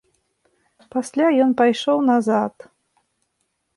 Пасля ён пайшоў назад.